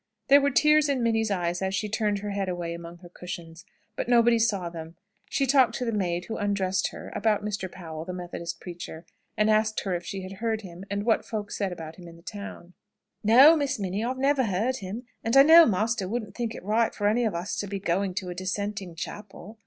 There were tears in Minnie's eyes as she turned her head away among her cushions. But nobody saw them. She talked to the maid who undressed her about Mr. Powell, the Methodist preacher, and asked her if she had heard him, and what the folks said about him in the town. "No, Miss Minnie. I've never heard him, and I know master wouldn't think it right for any of us to be going to a dissenting chapel.